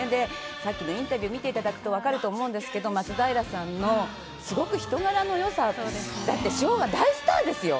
さっきのインタビュー見ていただくと分かると思うんですけど、松平さんのすごく人柄のよさ、だって昭和、大スターですよ。